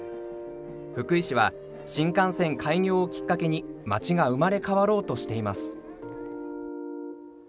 福井市は新幹線開業をきっかけに町が生まれ変わろうとしています。